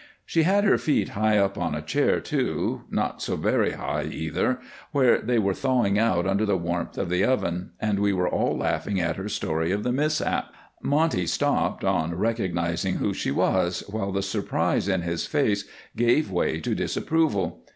She had her feet high up on a chair, too not so very high, either where they were thawing out under the warmth of the oven, and we were all laughing at her story of the mishap. Monty stopped on recognizing who she was, while the surprise in his face gave way to disapproval.